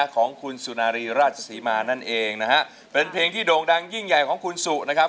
ของคุณสุนารีราชศรีมานั่นเองนะฮะเป็นเพลงที่โด่งดังยิ่งใหญ่ของคุณสุนะครับ